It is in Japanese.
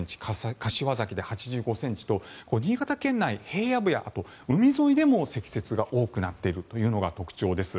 柏崎で８５ｃｍと新潟県内、平野部や海沿いでも積雪が多くなっているのが特徴です。